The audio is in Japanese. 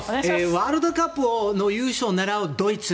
ワールドカップの優勝を狙うドイツ